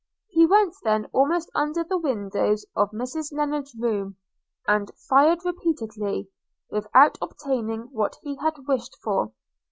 He went then almost under the windows of Mrs Lennard's room, and fired repeatedly, without obtaining what he had wished for.